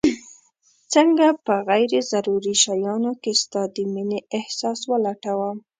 څنګه په غير ضروري شيانو کي ستا د مينې احساس ولټوم